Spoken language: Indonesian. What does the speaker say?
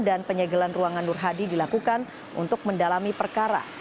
dan penyegelan ruangan nur hadi dilakukan untuk mendalami perkara